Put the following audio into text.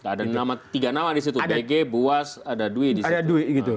ada tiga nama di situ bg buas ada dwi di situ